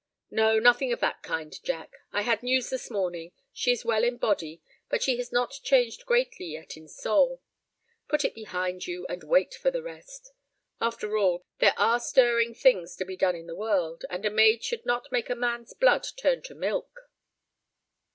"No, nothing of that kind, Jack; I had news this morning. She is well in body, but she has not changed greatly yet in soul. Put it behind you, and wait for the best. After all, there are stirring things to be done in the world, and a maid should not make a man's blood turn to milk."